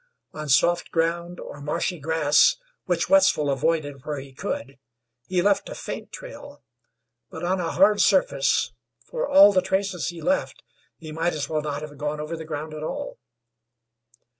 On soft ground or marshy grass, which Wetzel avoided where he could, he left a faint trail, but on a hard surface, for all the traces he left, he might as well not have gone over the ground at all.